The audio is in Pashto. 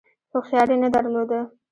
هوښیاري نه درلوده.